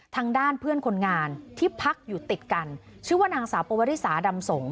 ทางด้านเพื่อนคนงานที่พักอยู่ติดกันชื่อว่านางสาวปวริสาดำสงฆ